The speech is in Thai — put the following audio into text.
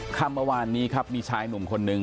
คำเมื่อวานนี้ครับมีชายหนุ่มคนนึง